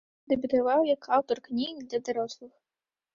Дэбютаваў як аўтар кніг для дарослых.